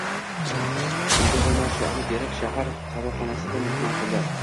unga roʻmolcha olib berib, shahar qovoqxonasida mehmon qildi.